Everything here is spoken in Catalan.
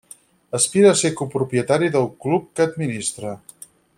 Aspira a ser copropietari del club que administra.